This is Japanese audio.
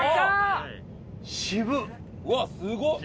うわっすごっ！